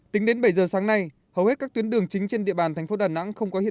tính đến bảy giờ sáng nay hầu hết các tuyến đường chính trên địa bàn thành phố đà nẵng